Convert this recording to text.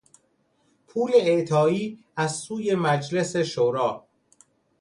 پول اعطایی از سوی مجلس شورا